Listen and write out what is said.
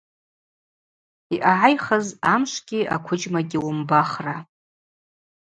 Йъагӏайхыз – амшвгьи аквыджьмагьи уымбахра.